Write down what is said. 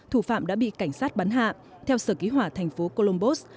thủ phạm đã bị cảnh sát bắn hạ theo sở ký hỏa thành phố columbus